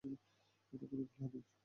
এটা কোনো খেলা নয়।